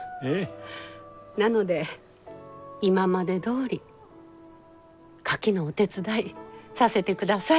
なので今までどおりカキのお手伝いさせてください。